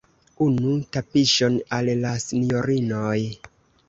Unu tapiŝon al la sinjorinoj!